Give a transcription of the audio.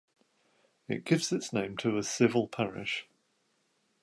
It gives its name to a civil parish.